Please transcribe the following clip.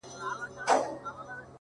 o زه به د خال او خط خبري كوم ـ